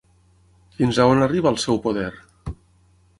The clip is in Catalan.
Fins a on arriba el seu poder?